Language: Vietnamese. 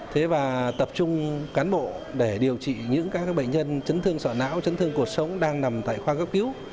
thế và tập trung cán bộ để điều trị những các bệnh nhân chấn thương sọ não chấn thương cuộc sống đang nằm tại khoa cấp cứu